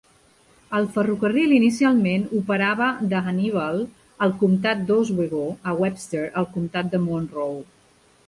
El ferrocarril inicialment operava de Hannibal, al comtat d'Oswego, a Webster, al comtat de Monroe.